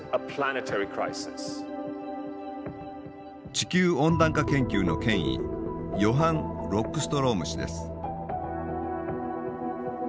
地球温暖化研究の権威ヨハン・ロックストローム氏です。